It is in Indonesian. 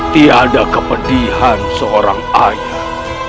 tiada kepedihan seorang ayah